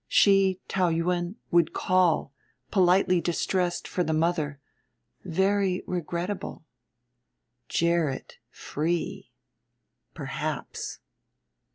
She, Taou Yuen, would call, politely distressed, for the mother ... very regrettable. Gerrit free Perhaps.